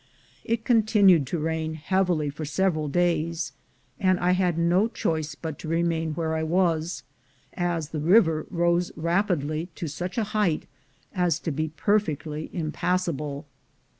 It continued to rain heavily for several days, and I had no choice but to remain where I was, as the river rose rapidly to such a height as to be perfectly impassable.